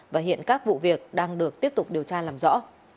và hiện các vụ việc đang được tiếp tục điều tra làm rõ